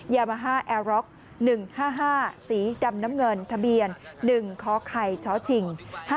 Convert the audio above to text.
ยามาฮ่าแอร็อก๑๕๕สีดำน้ำเงินทะเบียน๑คไข่ชชิง๕๗